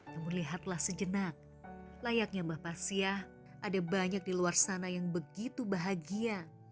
namun lihatlah sejenak layaknya mbah pasiah ada banyak di luar sana yang begitu bahagia